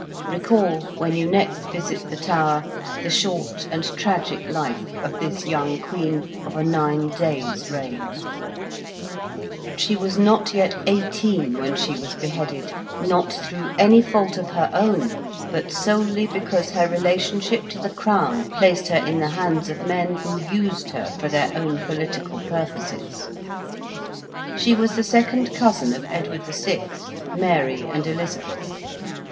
Recall, when next you visit the Tower, the short and tragic life of this young Queen of a nine days' reign. She was not yet eighteen when she was beheaded, not through any fault of her own, but solely because her relationship to the Crown placed her in the hands of men who used her for their own political purposes. She was the second cousin of Edward VI., Mary, and Elizabeth.